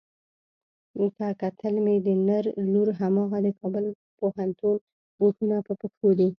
که کتل مې د نر لور هماغه د کابل پوهنتون بوټونه په پښو دي.